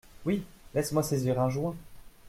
Oui ; laisse-moi saisir un joint.